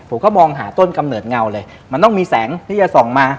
ผมก็มองหาต้นกำเนิดเงาเลยมันต้องมีแสงที่จะส่องมา